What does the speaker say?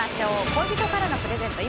恋人からのプレゼント